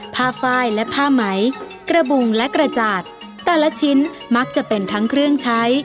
ไฟล์และผ้าไหมกระบุงและกระจาดแต่ละชิ้นมักจะเป็นทั้งเครื่องใช้